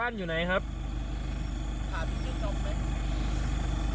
บ้านอยู่ไหนครับ